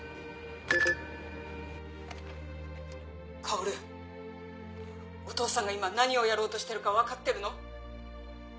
薫お父さんが今何をやろうとしてるか分かってるの？